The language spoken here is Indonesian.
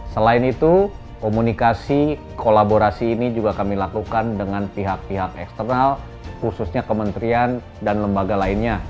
selain itu komunikasi kolaborasi ini juga kami lakukan dengan pihak pihak eksternal khususnya kementerian dan lembaga lainnya